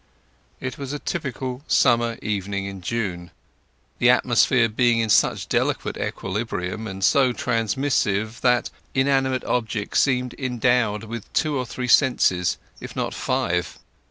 It was a typical summer evening in June, the atmosphere being in such delicate equilibrium and so transmissive that inanimate objects seemed endowed with two or three senses, if not five.